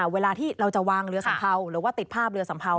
เวลาที่เราจะวางเรือสัมเภาหรือว่าติดภาพเรือสัมเภา